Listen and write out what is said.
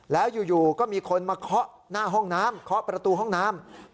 แล้วอยู่ก็มีคนมาเคาะหน้าห้องน้ำเคาะประตูห้องน้ำ